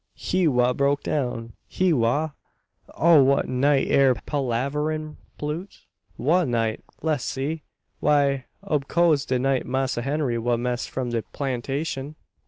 he wa broke down he wa!" "O' what night air ye palaverin', Plute?" "Wha night? Le'ss see! Why, ob coas de night Massa Henry wa missed from de plantashun.